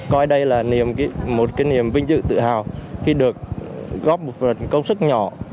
coi đây là một niềm vinh dự tự hào khi được góp một phần công sức nhỏ